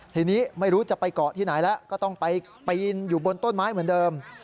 ทีนี้ไม่รู้จะไปเกาะที่ไหนแล้วก็ต้องไปปีนอยู่บนต้นไม้เหมือนเดิม